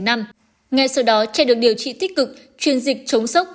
ngay sau đó trẻ được điều trị tích cực truyền dịch chống sốc